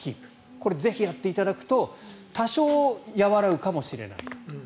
これをぜひ、やっていただくと多少和らぐかもしれないと。